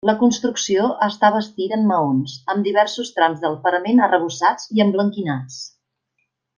La construcció està bastida en maons, amb diversos trams del parament arrebossats i emblanquinats.